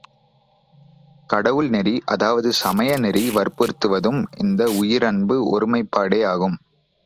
கடவுள் நெறி அதாவது சமயநெறி வற்புறுத்துவதும் இந்த உயிரன்பு ஒருமைப்பாடே யாகும்.